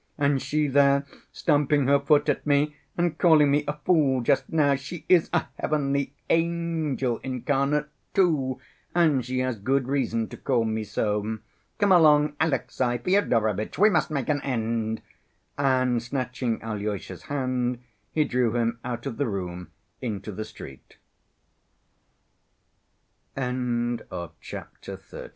"And she there stamping her foot at me and calling me a fool just now, she is a heavenly angel incarnate too, and she has good reason to call me so. Come along, Alexey Fyodorovitch, we must make an end." And, snatching Alyosha's hand, he drew him out of the ro